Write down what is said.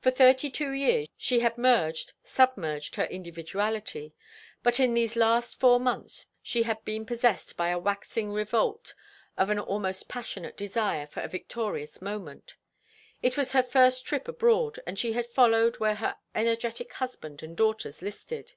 For thirty two years she had merged, submerged, her individuality, but in these last four months she had been possessed by a waxing revolt, of an almost passionate desire for a victorious moment. It was her first trip abroad, and she had followed where her energetic husband and daughters listed.